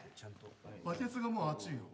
バケツがもう熱いよ。